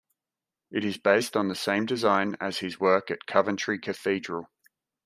It is based on the same design as his work at Coventry Cathedral.